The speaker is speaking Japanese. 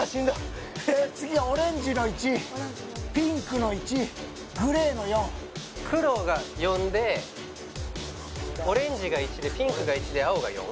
どっ次がオレンジの１ピンクの１グレーの４黒が４でオレンジが１でピンクが１で青が４？